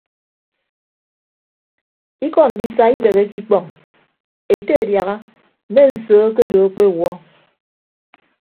Ikọ ndisa ibeheke ikpọñ ete adiaha mme nsoo ke odo ekpewuọ.